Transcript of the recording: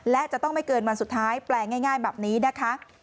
และจะต้องไม่เกินวันสุดท้ายแปลง่ายแบบนี้นะคะ